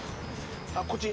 あっこっち？